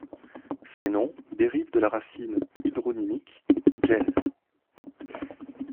Ces noms dérivent de la racine hydronymique Jel.